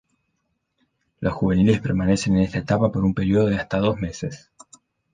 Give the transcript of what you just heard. Lo juveniles permanecen en esta etapa por un periodo de hasta dos meses.